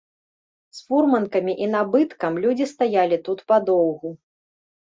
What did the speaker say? З фурманкамі і набыткам людзі стаялі тут падоўгу.